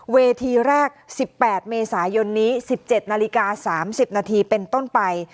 เวทีแรก๑๘เมษายนนี้๑๗นาฬิกา๓๐นาทีเป็นต้นไป